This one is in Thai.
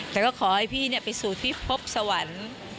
แล้วก็ขอให้พี่ไปสู่ที่พบสวรรค์